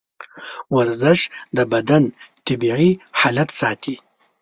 ورزش د بدن طبیعي حالت ساتي.